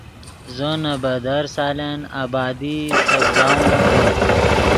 زو نے بدر سالن آدبادئی سڤزاؤمتے